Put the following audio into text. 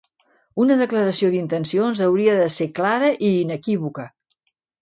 Una declaració d'intencions hauria de ser clara i inequívoca.